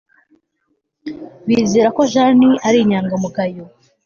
Bizera ko Jane ari inyangamugayo